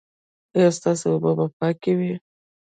ایا ستاسو اوبه به پاکې وي؟